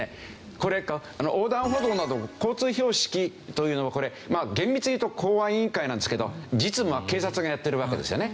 これ横断歩道など交通標識というのはこれ厳密に言うと公安委員会なんですけど実務は警察がやっているわけですよね。